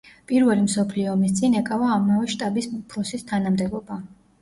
პირველი მსოფლიო ომის წინ ეკავა ამავე შტაბის უფროსის თანამდებობა.